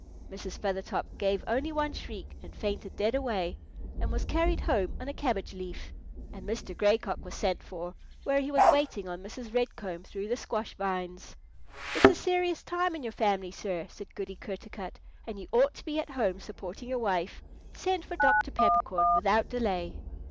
Mrs. Feathertop gave only one shriek and fainted dead away, and was carried home on a cabbage leaf; and Mr. Gray Cock was sent for, where he was waiting on Mrs. Red Comb through the squash vines. "It's a serious time in your family, sir," said Goody Kertarkut, "and you ought to be at home supporting your wife. Send for Dr. Peppercorn without delay."